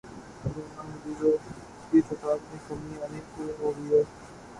corona کے مریضوں کی تعداد میں کمی آنی شروع ہو گئی ہے